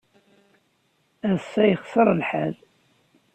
Ass-a, yexṣer lḥal.